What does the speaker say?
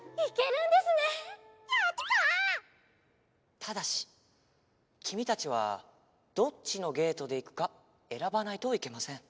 ただしきみたちはどっちのゲートでいくかえらばないといけません。